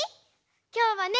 きょうはね